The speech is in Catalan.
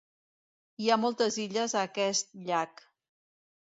Hi ha moltes illes a aquest llac.